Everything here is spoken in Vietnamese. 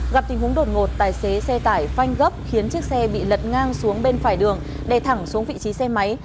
gặp tình huống đột ngột tài xế xe tải phanh gấp khiến chiếc xe bị lật ngang xuống bên phải đường đè thẳng xuống vị trí xe máy